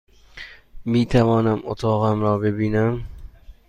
میتوانم اتاق را ببینم؟